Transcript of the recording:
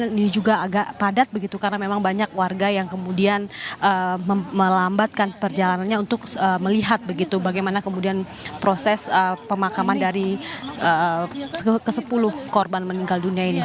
ini juga agak padat begitu karena memang banyak warga yang kemudian melambatkan perjalanannya untuk melihat begitu bagaimana kemudian proses pemakaman dari ke sepuluh korban meninggal dunia ini